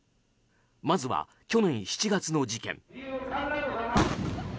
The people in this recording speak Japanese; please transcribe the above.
まずは、去年７月の事件。